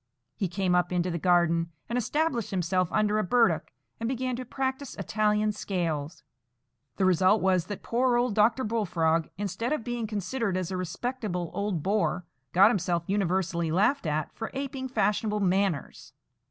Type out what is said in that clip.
He came up into the garden, and established himself under a burdock, and began to practise Italian scales. The result was, that poor old Dr. Bullfrog, instead of being considered as a respectable old bore, got himself universally laughed at for aping fashionable manners.